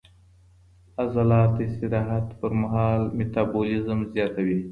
عضلات د استراحت پر مهال میټابولیزم زیاتوي.